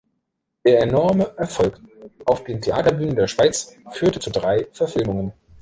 Der enorme Erfolg auf den Theaterbühnen der Schweiz führte zu drei Verfilmungen.